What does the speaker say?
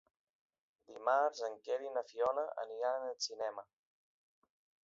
Dimarts en Quer i na Fiona aniran al cinema.